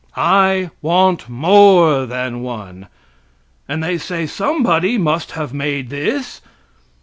I want more than one. And they say, somebody must have made this!